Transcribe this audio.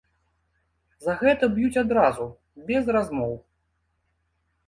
За гэта б'юць адразу, без размоў.